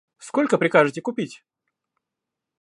Сколько прикажете купить?